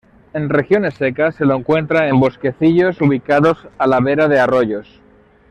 En regiones secas, se lo encuentra en bosquecillos ubicados a la vera de arroyos.